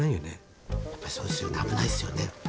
やっぱりそうですよね危ないっすよね。